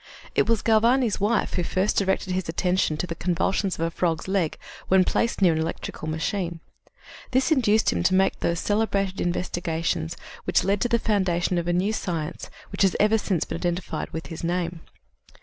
It was Galvani's wife who first directed his attention to the convulsions of a frog's leg when placed near an electrical machine. This induced him to make those celebrated investigations which led to the foundation of a new science which has ever since been identified with his name.